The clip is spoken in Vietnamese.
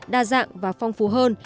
đa dạng và phong phú hơn